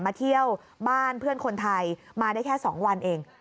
เที่ยวบ้านเพื่อนคนไทยมาได้แค่๒วันเอง